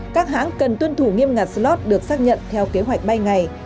các hãng cần tuân thủ nghiêm ngặt slot được xác nhận theo kế hoạch bay ngày